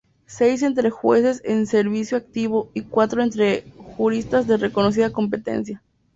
Seis entre jueces en servicio activo y cuatro entre juristas de reconocida competencia.